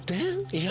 いや。